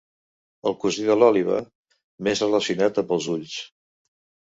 El cosí de l'òliba més relacionat amb els ulls.